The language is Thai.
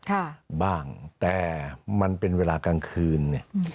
ค่ะบ้างแต่มันเป็นเวลากลางคืนเนี่ย